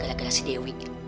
gagal gara gara si dewi ini